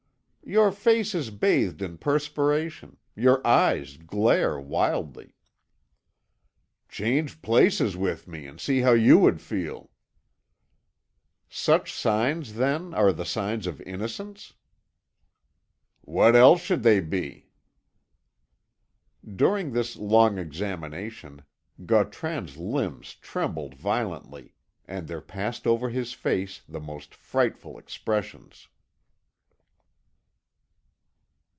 "Your face is bathed in perspiration; your eyes glare wildly." "Change places with me, and see how you would feel." "Such signs, then, are the signs of innocence?" "What else should they be?" During this long examination, Gautran's limbs trembled violently, and there passed over his face the most frightful expressions.